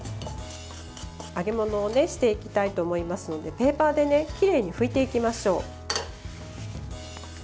揚げ物をしていきたいと思いますのでペーパーできれいに拭いていきましょう。